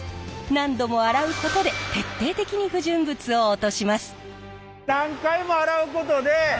何度も洗うことで徹底的に不純物を落とします。